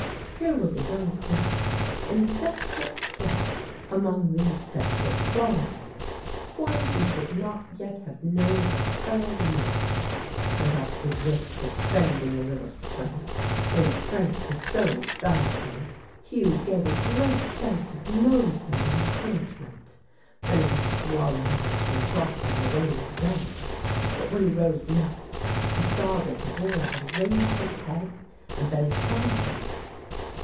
Here was a young creature, in desperate plight among these desperate waterways, one who should not yet have known what peril meant. And at the risk of spending a little strength, when strength was so valuable, Hugh gave a great shout of notice and encouragement. Then he was swallowed up in the trough of a wave again. But when he rose next, he saw that the boy had raised his head, and that he saw him.